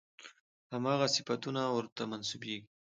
همغه صفتونه ورته منسوبېږي.